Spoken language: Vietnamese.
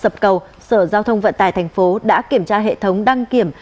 sập cầu sở giao thông vận tải tp hcm đã kiểm tra hệ thống đăng kiểm